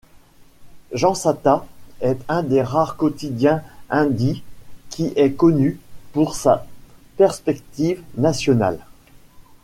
Jansatta est un des rares quotidiens hindis qui est connu pour sa perspective nationale.